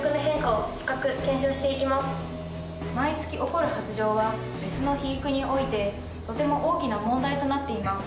毎月起こる発情はメスの肥育においてとても大きな問題となっています。